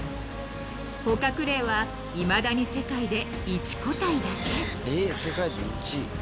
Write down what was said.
［捕獲例はいまだに世界で１個体だけ］